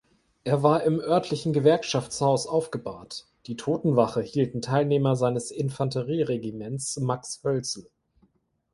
Er war im örtlichen Gewerkschaftshaus aufgebahrt, die Totenwache hielten Teilnehmer seines Infanterieregiments „Max Hölz“.